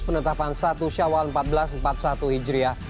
penetapan satu syawal seribu empat ratus empat puluh satu hijriah